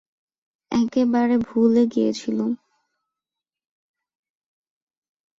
একেবারে ভুলে গিয়েছিলুম।